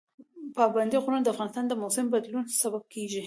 پابندي غرونه د افغانستان د موسم د بدلون سبب کېږي.